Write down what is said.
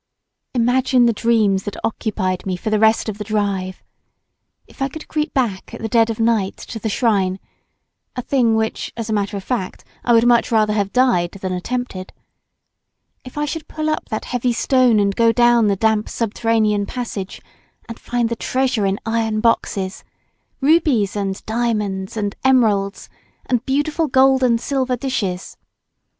Imagine the dreams that occupied me for the rest of the drive! If I could creep back at the dead of night to the shrine—a thing which as a matter of fact I would much rather have died than have attempted—if I should pull up that heavy stone and go down the damp subterranean passage and find the treasure in iron boxes—rubies and diamonds and emeralds, and beautiful gold and silver dishes!